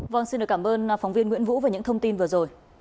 vâng xin được cảm ơn phóng viên nguyễn vũ về những thông tin vừa rồi